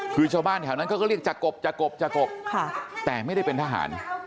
คือชาวบ้านแถวนั้นเขาก็เรียกจากกบจากกบจากกบแต่ไม่ได้เป็นทหาร